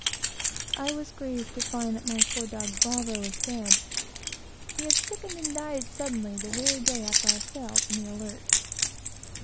I was grieved to find that my poor dog Bravo was dead. He had sickened and died suddenly, the very day after I sailed in the Alert.